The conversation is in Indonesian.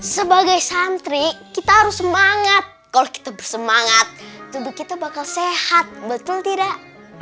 sebagai santri kita harus semangat kalau kita bersemangat tubuh kita bakal sehat betul tidak